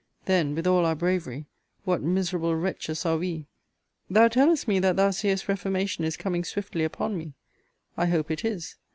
Then, with all our bravery, what miserable wretches are we! Thou tellest me that thou seest reformation is coming swiftly upon me. I hope it is.